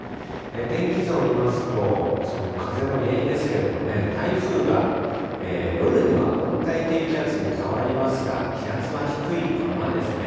天気図を見ますと、その風の原因ですけれどもね、台風が夜には温帯低気圧に変わりますが、気圧は低いままですね。